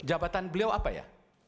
jabatan beliau apa ya